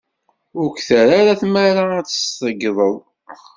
Ur k-terra ara tmara ad s-tzeyydeḍ.